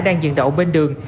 đang dừng đậu bên đường